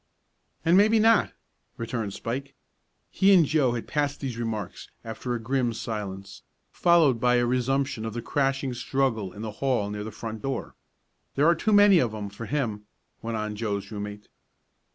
"And maybe not," returned Spike. He and Joe had passed these remarks after a grim silence, followed by a resumption of the crashing struggle in the hall near the front door. "There are too many of 'em for him," went on Joe's room mate.